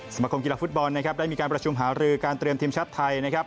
สมาคมกีฬาฟุตบอลนะครับได้มีการประชุมหารือการเตรียมทีมชาติไทยนะครับ